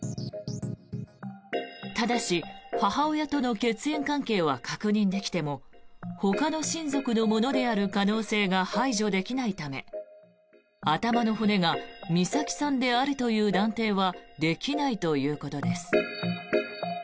ただし、母親との血縁関係は確認できてもほかの親族のものである可能性が排除できないため頭の骨が美咲さんであるという断定はできないということです。